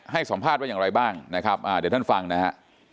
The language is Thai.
ให้สัมภาษณ์ว่าอย่างไรบ้างนะครับเดี๋ยวท่านฟังนะฮะ